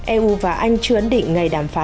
eu và anh chưa ấn định ngày đàm phán